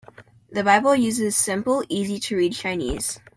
The Bible uses simple, easy to read Chinese.